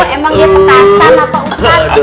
emang dia petasan apa bukan